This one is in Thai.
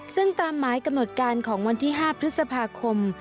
ซึ่งตามหมายกำหนดการของวันที่๕พฤษภาคม